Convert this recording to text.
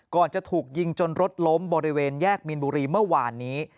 จะถูกยิงจนรถล้มบริเวณแยกมีนบุรีเมื่อวานนี้